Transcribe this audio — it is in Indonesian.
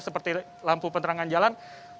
seperti lampu penerangan jalan